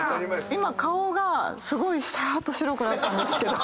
今顔がすごいさーっと白くなったんですけど。